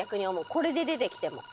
これで出てきても。